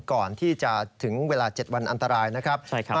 ก่อนที่จะถึงเวลา๗วันอันตรายนะครับ